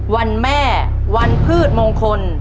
วันแม่วันพืชมงคล